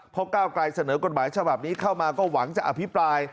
เพราะก้าวกลายเสนอกฎหมายฉบับนี้เข้ามาก็หวังจะอภิปราย